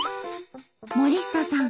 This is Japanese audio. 森下さん